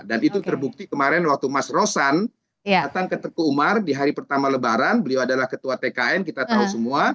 dan itu terbukti kemarin waktu mas rosan datang ke teguh umar di hari pertama lebaran beliau adalah ketua tkn kita tahu semua